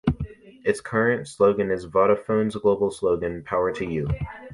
Its current slogan is Vodafone's global slogan, "Power to you".